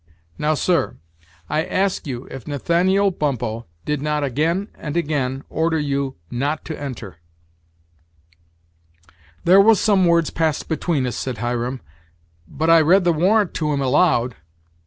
Now, sir, I ask you if Nathaniel Bumppo did not again and again order you not to enter?" "There was some words passed between us," said Hiram, "but I read the warrant to him aloud."